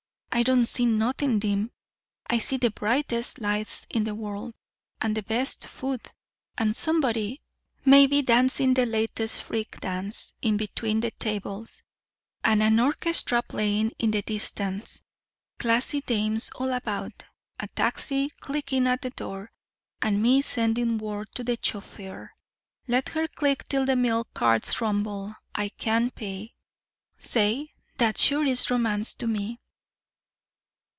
I don't see nothing dim. I see the brightest lights in the world, and the best food, and somebody, maybe, dancing the latest freak dance in between the tables. And an orchestra playing in the distance classy dames all about a taxi clicking at the door. And me sending word to the chauffeur 'Let her click till the milk carts rumble I can pay.' Say that sure is romance to me."